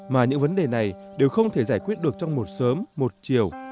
mà những vấn đề này đều không thể giải quyết được trong một sớm một chiều